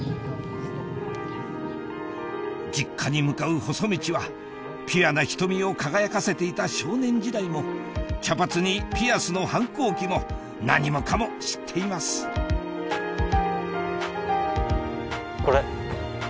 実家に向かう細道はピュアな瞳を輝かせていた少年時代も茶髪にピアスの反抗期も何もかも知っていますこれ。